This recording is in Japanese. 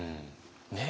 ねえ。